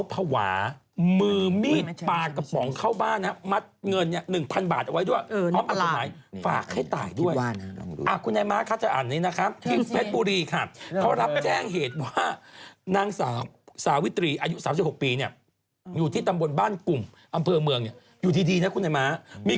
พิมขนาดไหนถึงเรียกว่าด่าพี่แม่